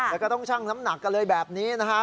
แล้วก็ต้องชั่งน้ำหนักกันเลยแบบนี้นะฮะ